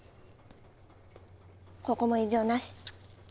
ここも異常なし。